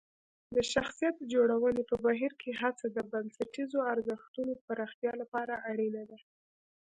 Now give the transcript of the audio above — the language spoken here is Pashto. د شخصیت جوړونې په بهیر کې هڅه د بنسټیزو ارزښتونو پراختیا لپاره اړینه ده.